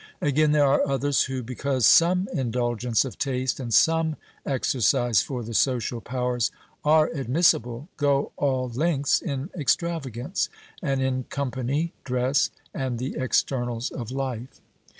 Again, there are others who, because some indulgence of taste and some exercise for the social powers are admissible, go all lengths in extravagance, and in company, dress, and the externals of life.